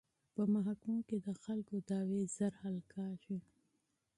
په محکمو کې د خلکو دعوې ژر حل کیږي.